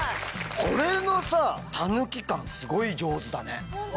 ・これのたぬき感すごい上手だね。